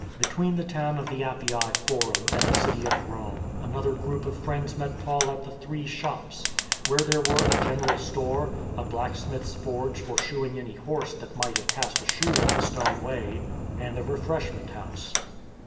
Between the town of the Appii Forum and the city of Rome another group of friends met Paul at the Three Shops,^ where there were a general store, a blacksmith's forge for shoeing any horse that might ^ Tres Tabernse. ON THE APPIAN WAY 345 have cast a shoe on the stone way, and a refreshment house.